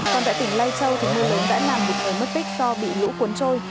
còn tại tỉnh lai châu mưa lớn đã làm một thời mất tích do bị lũ cuốn trôi